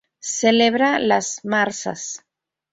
Celebra las marzas.